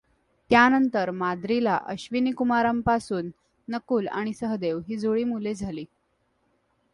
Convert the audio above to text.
त्यानंतर माद्रीला अश्विनीकुमारांपासून नकुल आणि सहदेव ही जुळी मुले झाली.